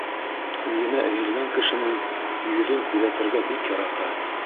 Үҙенә эйелгән кешенең йөҙөн күҙәтергә бик ярата.